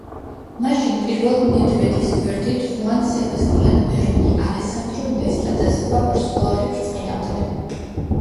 მაშინ პაველ ნედვედის გვერდით ხუან სებასტიან ვერონი, ალესანდრო ნესტა და სხვა ვარსკვლავები ბრწყინავდნენ.